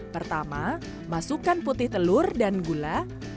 pertama masukkan putih telur dan gula